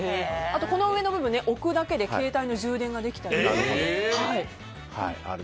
この上の部分、置くだけで携帯の充電ができたり。